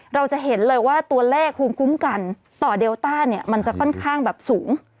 เราจะเห็นเลยว่าตัวแรกคุ้มกันต่อเดลต้ามันจะค่อนข้างสูง